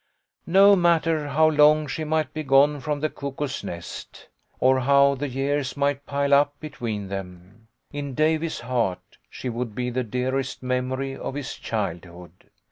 No mat ter how long she might be gone from the Cuckoo's Nest, or how the years might pile up between them, LEFT BEHIND. 12$ in Davy's heart she would be the dearest memory of his childhood.